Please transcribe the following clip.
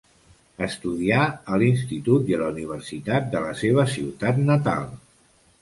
Estudià a l'institut i a la universitat de la seva ciutat natal.